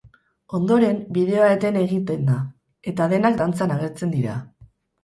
Ondoren, bideoa eten egiten da, eta denak dantzan agertzen dira.